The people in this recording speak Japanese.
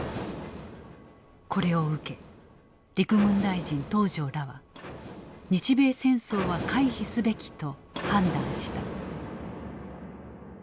これを受け陸軍大臣東條らは日米戦争は回避すべきと判断した。